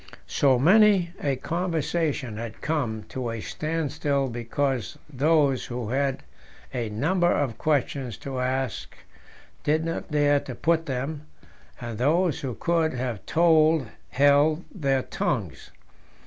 So many a conversation had come to a standstill because those who had a number of questions to ask did not dare to put them, and those who could have told held their tongues.